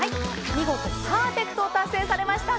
見事パーフェクトを達成されました